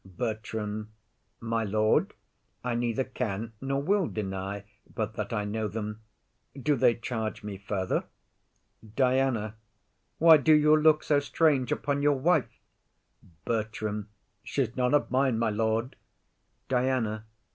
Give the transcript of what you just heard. BERTRAM. My lord, I neither can nor will deny But that I know them. Do they charge me further? DIANA. Why do you look so strange upon your wife? BERTRAM. She's none of mine, my lord. DIANA.